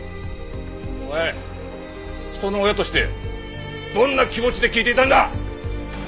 お前人の親としてどんな気持ちで聞いていたんだ！